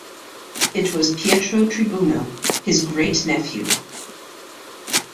It was Pietro Tribuno, his great-nephew.